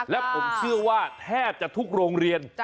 และผมเชื่อว่าแทบจะทุกโรงเรียน